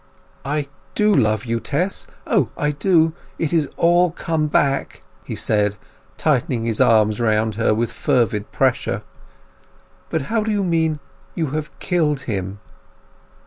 "I do love you, Tess—O, I do—it is all come back!" he said, tightening his arms round her with fervid pressure. "But how do you mean—you have killed him?"